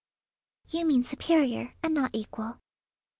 "You mean superior, and not equal."